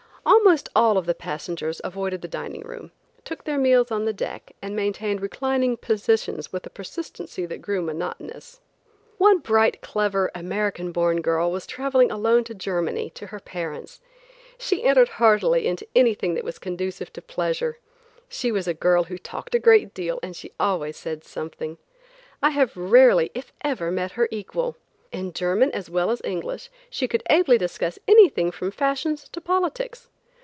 Almost all of the passengers avoided the dining room, took their meals on deck and maintained reclining positions with a persistency that grew monotonous. One bright, clever, American born girl was traveling alone to Germany, to her parents. She entered heartily into anything that was conducive to pleasure. She was a girl who talked a great deal and she always said something. I have rarely, if ever, met her equal. In German as well as English, she could ably discuss anything from fashions to politics.